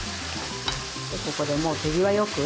ここでもう手際よく。